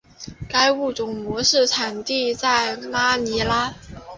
该物种的模式产地在马尼拉。